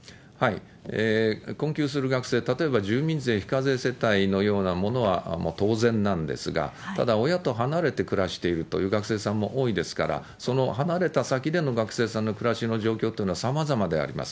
困窮する学生、例えば住民税非課税世帯のようなものは当然なんですが、ただ、親と離れて暮らしているという学生さんも多いですから、その離れた先での学生さんの暮らしの状況というのはさまざまであります。